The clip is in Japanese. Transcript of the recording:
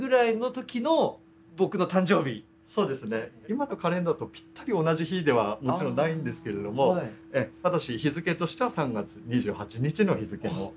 今のカレンダーとぴったり同じ日ではもちろんないんですけれどもただし日付としては３月２８日の日付の。